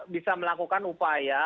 bisa melakukan upaya